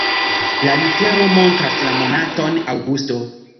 La litero montras la monaton aŭgusto.